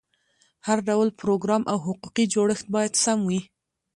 هر ډول پروګرام او حقوقي جوړښت باید سم وي.